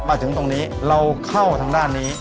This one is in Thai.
มาถึงตรงนี้เราเข้าทางด้านนี้